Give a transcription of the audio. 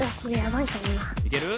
いける？